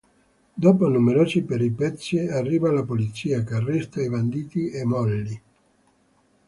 Dopo numerose peripezie, arriva la polizia, che arresta i banditi e Molly.